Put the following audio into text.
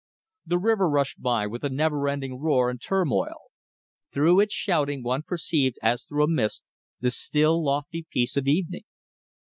The river rushed by with a never ending roar and turmoil. Through its shouting one perceived, as through a mist, the still lofty peace of evening.